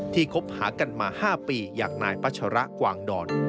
คบหากันมา๕ปีอย่างนายปัชระกวางดอน